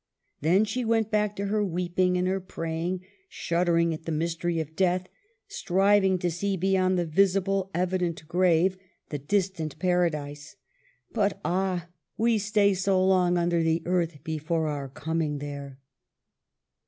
Then she went back to her weeping and her praying, shuddering at the mystery of death, striving to see beyond the visible, evident grave, the THE END. 311 distant Paradise. '^ But ah ! we stay so long under the earth before our coming there